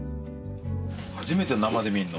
初めて生で見るの。